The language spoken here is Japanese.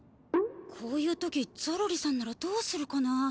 こういうときゾロリさんならどうするかな。